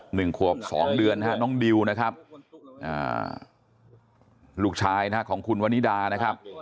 หนึ่งขวบสองเดือนฮะน้องดิวนะครับอ่าลูกชายนะฮะของคุณวนิดานะครับ